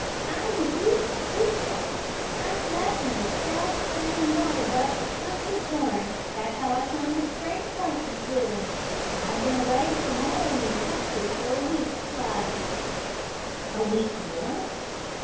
I was used to sleep there. I slep' in the self same water butt where Punch was born. That's 'ow I come to scrape acquaintance with 'im. I'd bin away from 'ome in the country for a week's slidin'." "A week's what?"